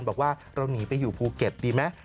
บอกว่าเราหนีไปอยู่ภูเก็ตดีไหม